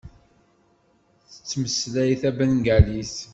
Tettmeslay tabengalit.